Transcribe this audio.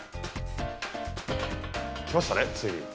来ましたねついに。